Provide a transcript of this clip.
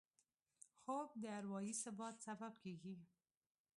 خوب د اروايي ثبات سبب کېږي